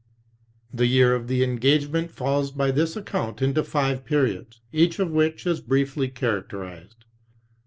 The year of the engagement falls by this account into five periods, each of which is briefly charac terized.